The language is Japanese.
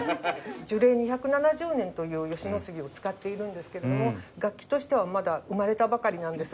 樹齢２７０年という吉野杉を使っているんですけれども楽器としてはまだ生まれたばかりなんです。